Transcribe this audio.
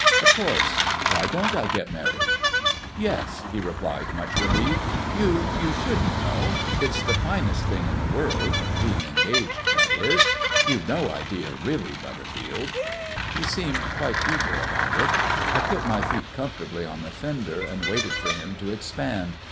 Of course. Why don't I get married." "Yes," he replied, much relieved. "You you should, you know. It's the finest thing in the world being engaged, that is. You've no idea, really, Butterfield." He seemed quite eager about it. I put my feet comfortably on the fender, and waited for him to expand.